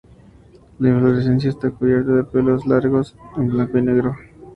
La inflorescencia está cubierta de pelos largos en blanco y negro.